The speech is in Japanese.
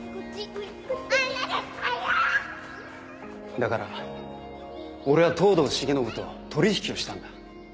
だから俺は藤堂繁信と取引をしたんだ。